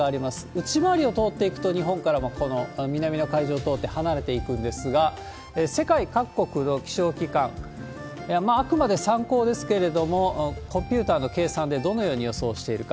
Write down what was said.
内回りを通っていくと、日本からこの南の海上を通って離れていくんですが、世界各国の気象機関、あくまで参考ですけれども、コンピューターの計算でどのように予想しているか。